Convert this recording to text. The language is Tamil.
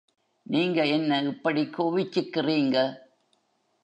நீங்க என்ன இப்படிக் கோவிச்சிக்கிறீங்க?